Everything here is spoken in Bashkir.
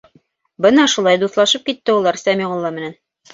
Бына шулай дуҫлашып китте улар Сәмиғулла менән.